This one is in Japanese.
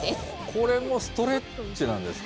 これもストレッチなんですか？